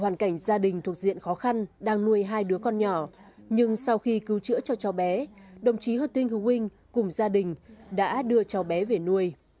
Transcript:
hoàn cảnh gia đình thuộc diện khó khăn đang nuôi hai đứa con nhỏ nhưng sau khi cứu chữa cho cháu bé đồng chí hơ tinh hu huynh cùng gia đình đã đưa cháu bé về nuôi